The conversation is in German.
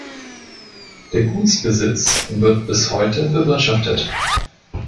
Der Gutsbesitz wird bis heute bewirtschaftet.